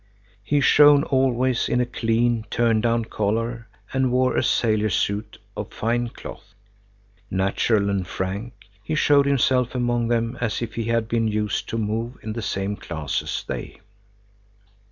He shone always in a clean, turned down collar and wore a sailor suit of fine cloth. Natural and frank, he showed himself among them, as if he had been used to move in the same class as they.